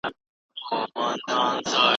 هغه په پوهنتون کي د نويو اصولو په اړه وویل.